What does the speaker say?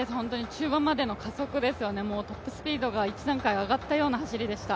中盤までの加速でしたよね、トップスピードが一段階上がったような走りでした。